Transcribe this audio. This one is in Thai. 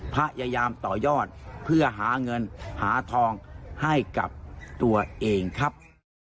พยายามต่อยอดเพื่อหาเงินหาทองให้กับตัวเองครับ